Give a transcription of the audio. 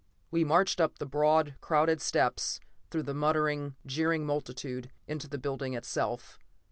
We marched up the broad, crowded steps, through the muttering, jeering multitude into the building itself.